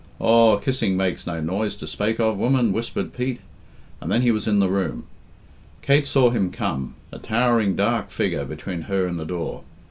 "Aw, kissing makes no noise to spake of, woman," whispered Pete; and then he was in the room. Kate saw him come, a towering dark figure between her and the door.